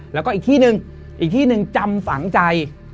แล้วก็อีกที่นึงจำฝังใจ